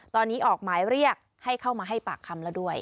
ตอนนี้ออกหมายเรียกให้เข้ามาให้ปากคำแล้วด้วย